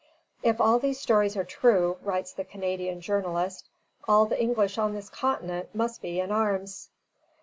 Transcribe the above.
"If all these stories are true," writes the Canadian journalist, "all the English on this continent must be in arms."